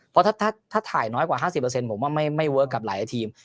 เพราะถ้าถ่ายน้อยกว่า๕๐ผมว่าไม่เวิร์คกับหลายทีม